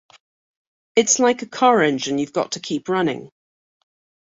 It's like a car engine you've got to keep running.